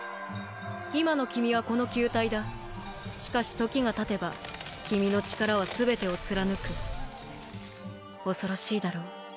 今の君はこの球体だしかし時がたてば君の力は全てを貫く恐ろしいだろう